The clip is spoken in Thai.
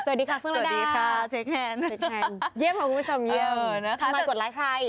สวัสดีค่ะฟึงมาได้สวัสดีค่ะเชคแนนขอบคุณผู้ชมเยี่ยมทำไมกดไลค์ใคร